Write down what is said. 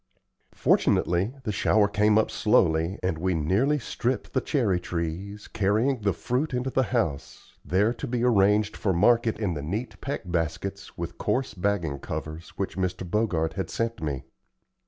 Fortunately, the shower came up slowly, and we nearly stripped the cherry trees, carrying the fruit into the house, there to be arranged for market in the neat peck baskets with coarse bagging covers which Mr. Bogart had sent me.